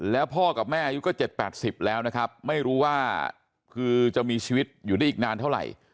แล้วพ่อกับแม่อายุก็๗๘๐แล้วนะครับไม่รู้ว่าคือจะมีชีวิตอยู่ได้อีกนานเท่าไหร่